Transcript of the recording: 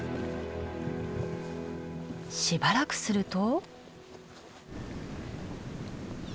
しばらくすると。